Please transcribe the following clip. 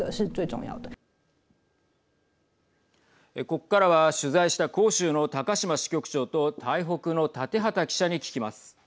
ここからは取材した広州の高島支局長と台北の建畠記者に聞きます。